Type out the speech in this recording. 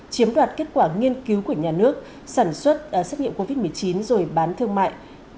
chiếm đoạt kết quả nghiên cứu của nhà nước sản xuất xét nghiệm covid một mươi chín rồi bán thương mại